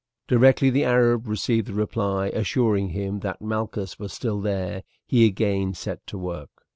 Directly the Arab received the reply, assuring him that Malchus was still there, he again set to work.